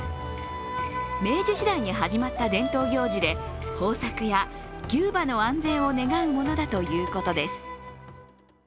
明治時代に始まった伝統行事で、豊作や牛馬の安全を願うものだということです。